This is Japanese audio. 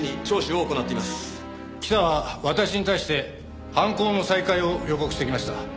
北は私に対して犯行の再開を予告してきました。